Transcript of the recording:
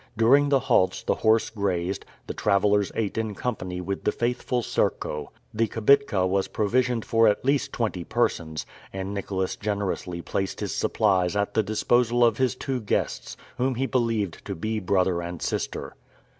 During the halts the horse grazed, the travelers ate in company with the faithful Serko. The kibitka was provisioned for at least twenty persons, and Nicholas generously placed his supplies at the disposal of his two guests, whom he believed to be brother and sister.